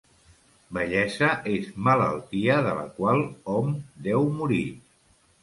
Vellesa és malaltia de la qual hom deu morir.